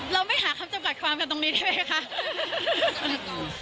เราไม่หาคำจำกัดความกันตรงนี้ได้ไหมคะ